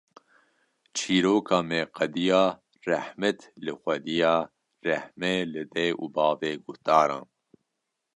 Çîroka me qediya, Rehmet li xwediya, rehme li dê û bavê guhdaran